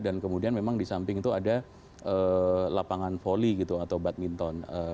dan kemudian memang di samping itu ada lapangan volley gitu atau badminton